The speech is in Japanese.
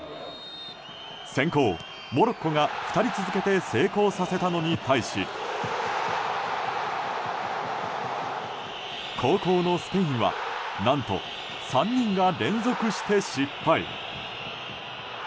先行、モロッコが２人続けて成功させたのに対し後攻のスペインは何と３人が連続して失敗。